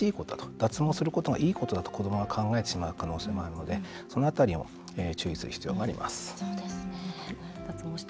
脱毛することはいいことだと子どもが考えてしまう可能性もあるのでその辺りを注意する必要があります。